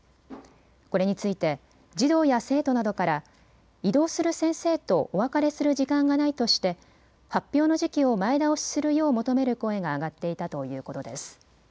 これについて児童や生徒などから異動する先生とお別れする時間がないとして発表の時期を前倒しするよう求める声が上がっていたということです。